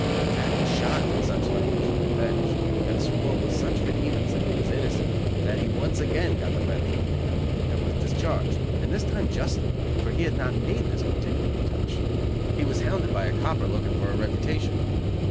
Jack was shocked at such language from the bench, and swore with such vehemence that he was innocent, that he again got the benefit of the doubt, and was discharged, and this time justly, for he had not made this particular "touch." He was hounded by a copper looking for a reputation.